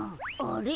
あれ？